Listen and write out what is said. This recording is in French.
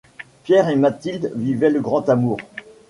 Pierre et Mathilde vivaient le grand amour.